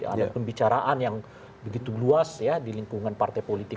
ada pembicaraan yang begitu luas ya di lingkungan partai politik